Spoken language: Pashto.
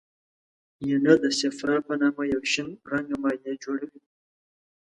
ینه د صفرا په نامه یو شین رنګه مایع جوړوي.